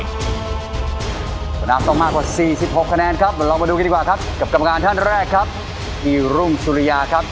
คำว่านั่บต้องมากว่า๔๖คะแนนครับคนเดี๋ยวมาดูการักครับกับข้ามกรรมการท่านแรกก็รุ่งสุริยาครับ